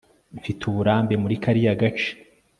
Mfite uburambe muri kariya gace